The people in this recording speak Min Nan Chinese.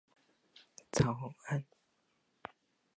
雞仔腸，鳥仔肚